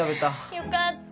よかった！